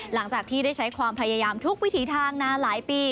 หลังจากที่ได้ใช้ความพยายามทุกวิถีทางนานหลายปี